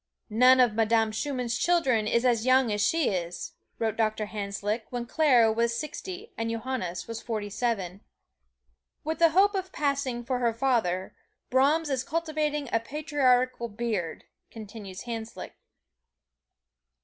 "None of Madame Schumann's children is as young as she is," wrote Doctor Hanslick, when Clara was sixty and Johannes was forty seven. "With the hope of passing for her father, Brahms is cultivating a patriarchal beard," continues Hanslick.